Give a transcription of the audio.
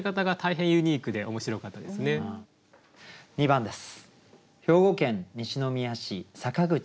２番です。